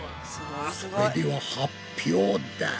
それでは発表だ。